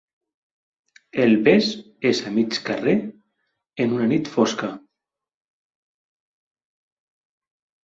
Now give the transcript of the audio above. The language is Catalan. El bes és al mig del carrer, en una nit fosca.